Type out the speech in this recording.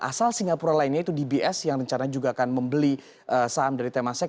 asal singapura lainnya itu dbs yang rencana juga akan membeli saham dari temasek